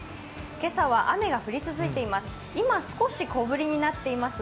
今朝は雨が降り続いています。